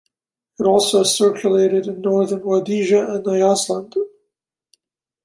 It also circulated in Northern Rhodesia and Nyasaland.